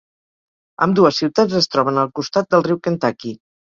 Ambdues ciutats es troben al costat del riu Kentucky.